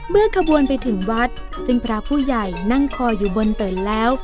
ขบวนไปถึงวัดซึ่งพระผู้ใหญ่นั่งคออยู่บนเตินแล้ว